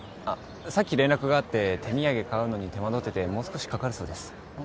さっき連絡があって手土産買うのに手間取っててもう少しかかるそうです